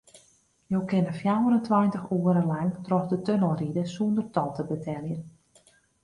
Jo kinne fjouwerentweintich oere lang troch de tunnel ride sûnder tol te beteljen.